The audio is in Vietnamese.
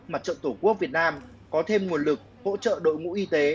mặt trận tổ quốc việt nam có thêm nguồn lực hỗ trợ đội ngũ y tế